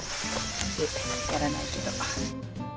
やらないけど。